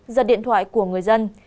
ra điện thoại của người dân